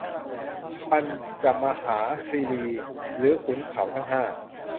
ปัญจมหาคีรี หรือขุนเขาทั้งห้า